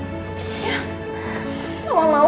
kalau mau kamu harus makan